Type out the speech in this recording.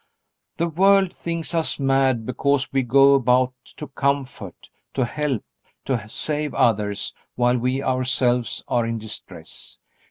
The world thinks us mad because we go about to comfort, to help, to save others while we ourselves are in distress.